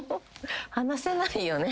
「話せないよね」？